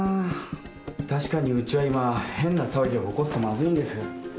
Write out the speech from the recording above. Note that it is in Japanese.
確かにウチは今変な騒ぎを起こすとまずいんです。